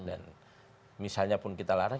dan misalnya pun kita larang